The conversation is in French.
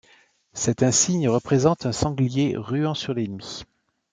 Cette insigne représente un sanglier ruant sur l'ennemi.